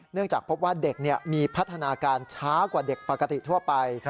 จากพบว่าเด็กมีพัฒนาการช้ากว่าเด็กปกติทั่วไป